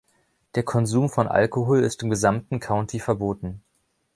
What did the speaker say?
Der Konsum von Alkohol ist im gesamten County verboten.